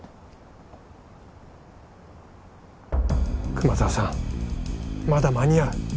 熊沢さんまだ間に合う。